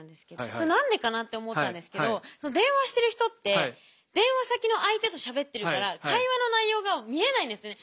それ何でかなって思ったんですけど電話してる人って電話先の相手としゃべってるから会話の内容が見えないんですね。